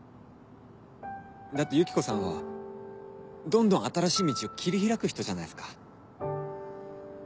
だってユキコさんはどんどん新しい道を切り開く人じゃないっすか。